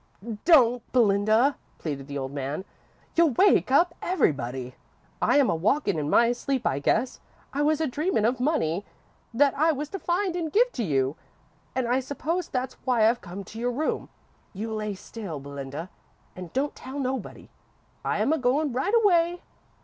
"Don't, Belinda," pleaded the old man. "You'll wake up everybody. I am a walkin' in my sleep, I guess. I was a dreamin' of money that I was to find and give to you, and I suppose that's why I've come to your room. You lay still, Belinda, and don't tell nobody. I am a goin' right away."